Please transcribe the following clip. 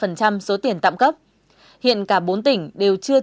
hiện cả bốn tỉnh đều chưa chi trả bồi thường thiệt hại cho người dân